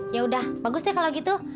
yaudah bagus deh kalau gitu